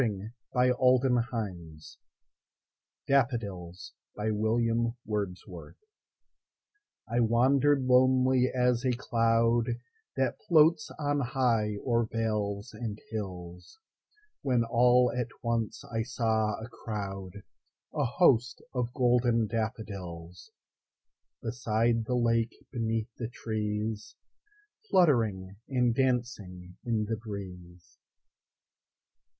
The Golden Treasury. 1875. William Wordsworth CCLIII. The Daffodils I WANDER'D lonely as a cloudThat floats on high o'er vales and hills, When all at once I saw a crowd,A host of golden daffodils, Beside the lake, beneath the trees, Fluttering and dancing in the breeze.